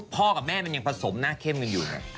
กับแม่มันยังผสมหน้าเข้มกันอยู่ไง